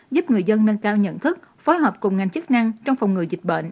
giúp người dân nâng cao nhận thức phối hợp cùng ngành chức năng trong phòng ngừa dịch bệnh